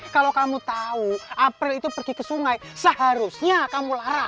kalau kamu tahu april itu pergi ke sungai seharusnya kamu larang